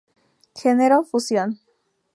Genero: Fusión.